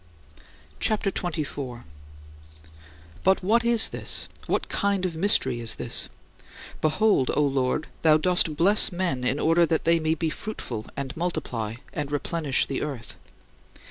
CHAPTER XXIV 35. But what is this; what kind of mystery is this? Behold, O Lord, thou dost bless men in order that they may be "fruitful and multiply, and replenish the earth."